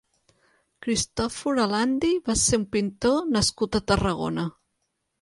Cristòfor Alandi va ser un pintor nascut a Tarragona.